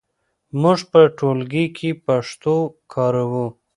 موږ په ټولګي کې پښتو کاروو.